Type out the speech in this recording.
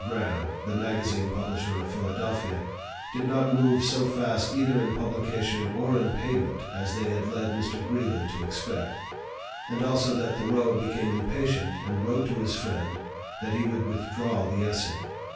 Graham, the magazine publisher of Philadelphia), did not move so fast either in publication or in payment as they had led Mr. Greeley to expect; and also that Thoreau became impatient and wrote to his friend that he would withdraw the essay.